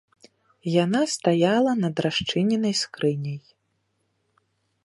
Яна стаяла над расчыненай скрыняй.